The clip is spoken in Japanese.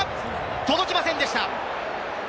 届きませんでした。